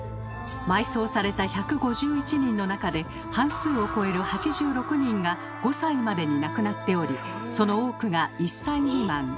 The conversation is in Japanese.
埋葬された１５１人の中で半数を超える８６人が５歳までに亡くなっておりその多くが１歳未満。